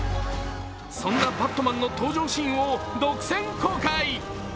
そんなバットマンの登場シーンを独占公開。